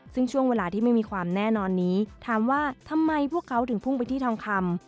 ซึ่งช่วงเวลาที่ไม่มีความแน่นอนนี้ถามว่าทำไมพวกเขาถึงพุ่งไปที่ทองคำ